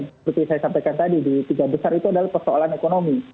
seperti saya sampaikan tadi di tiga besar itu adalah persoalan ekonomi